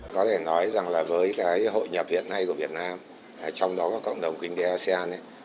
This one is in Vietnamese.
có thể nói rằng là với cái hội nhập hiện nay của việt nam trong đó có cộng đồng kinh tế asean